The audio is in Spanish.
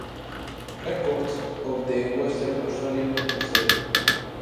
Records of the Western Australian Museum.